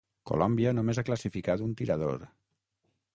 Colòmbia només ha classificat un tirador.